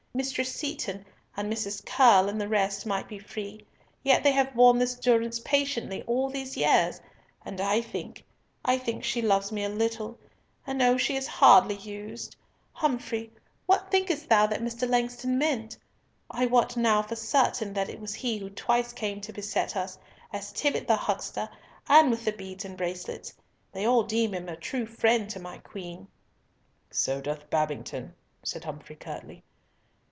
Mistress Seaton and Mrs. Curll and the rest might be free, yet they have borne this durance patiently all these years—and I think—I think she loves me a little, and oh! she is hardly used. Humfrey, what think'st thou that Mr. Langston meant? I wot now for certain that it was he who twice came to beset us, as Tibbott the huckster, and with the beads and bracelets! They all deem him a true friend to my Queen." "So doth Babington," said Humfrey, curtly.